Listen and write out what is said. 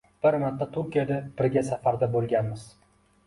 Bir marta Turkiyada birga safarda bo’lganmiz.